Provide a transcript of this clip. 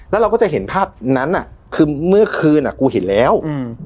แล้วเราก็จะเห็นภาพนั้นอ่ะคือเมื่อคืนอ่ะกูเห็นแล้วอืม